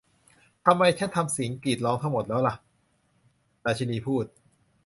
'ทำไมฉันทำเสียงกรีดร้องทั้งหมดแล้วล่ะ' ราชินีพูด